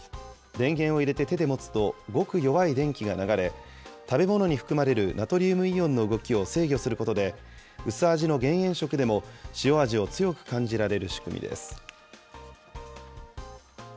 電源を入れて手で持つと、ごく弱い電気が流れ、食べ物に含まれるナトリウムイオンの動きを制御することで、薄味の減塩食でも塩味を強く感じられる仕組みです。